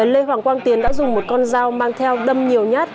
lê hoàng quang tiến đã dùng một con dao mang theo đâm nhiều nhát